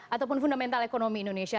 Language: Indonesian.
ataupun fundamental ekonomi indonesia